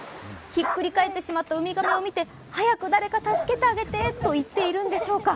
ひっくり返ってしまったウミガメを見て、早く誰か助けてあげてと訴えているんでしょうか。